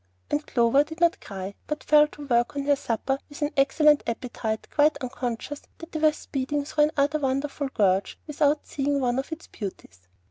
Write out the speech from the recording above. And Clover did not cry, but fell to work on her supper with an excellent appetite, quite unconscious that they were speeding through another wonderful gorge without seeing one of its beauties.